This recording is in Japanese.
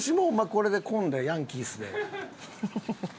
これで紺でヤンキースで。